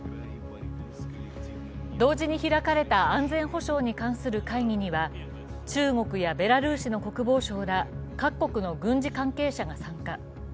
同時に開かれた安全保障に関する会議には中国やベラルーシの国防相ら各国の軍事関係者が参加。